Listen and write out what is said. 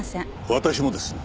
私もです。